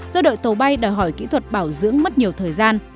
do đội tàu bay đòi hỏi kỹ thuật bảo dưỡng mất nhiều thời gian